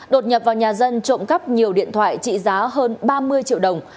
đột nhập vào nhà dân trộm cắp nhiều điện thoại trị giá hơn ba mươi triệu đồng